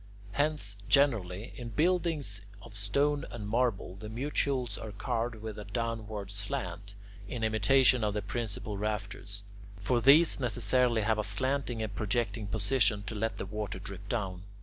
Hence generally, in buildings of stone and marble, the mutules are carved with a downward slant, in imitation of the principal rafters. For these necessarily have a slanting and projecting position to let the water drip down.